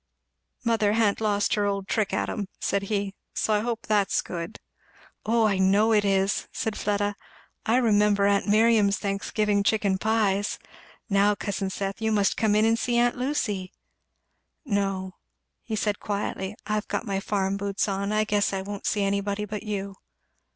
"Mother ha'n't lost her old trick at 'em," said he, "so I hope that's good." "O I know it is," said Fleda. "I remember aunt Miriam's Thanksgiving chicken pies. Now, cousin Seth, you must come in and see aunt Lucy." "No," said he quietly, "I've got my farm boots on I guess I won't see anybody but you."